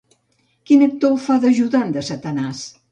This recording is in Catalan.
Quin actor fa d'ajudant de Satanàs?